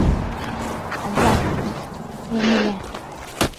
Азат ит, Йәмилә!..